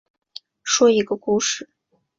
说一个故事